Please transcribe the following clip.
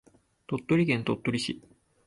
鳥取県鳥取市